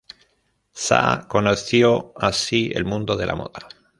Shah conoció así el mundo de la moda.